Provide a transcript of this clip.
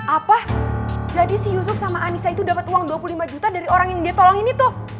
apa jadi si yusuf sama anissa itu dapat uang dua puluh lima juta dari orang yang dia tolong ini tuh